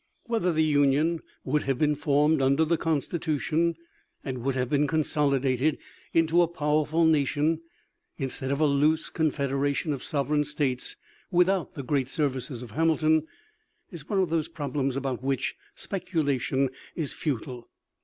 Whether the Union would have been formed under the Constitution and would have been consolidated into a powerful nation, instead of a loose confederation of sovereign states, without the great services of Hamilton, is one of those problems about which speculation is futile.